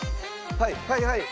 はい！